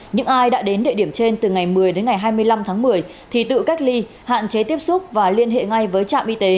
những ai đã đến địa điểm trên từ ngày một mươi đến ngày hai mươi năm tháng một mươi thì tự cách ly hạn chế tiếp xúc và liên hệ ngay với trạm y tế